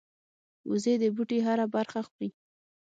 وزې د بوټي هره برخه خوري